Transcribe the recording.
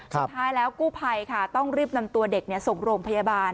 สุดท้ายแล้วกู้ภัยค่ะต้องรีบนำตัวเด็กส่งโรงพยาบาล